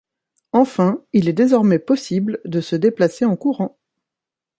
Enfin, il est désormais possible de se déplacer en courant.